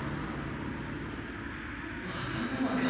わがままか。